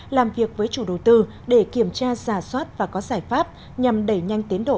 làm việc với chủ đầu tư để kiểm tra giả soát và có giải pháp nhằm đẩy nhanh tiến độ